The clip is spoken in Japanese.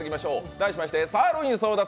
題して、サーロイン争奪！